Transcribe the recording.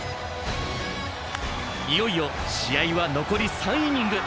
いよいよ試合は残り３イニング。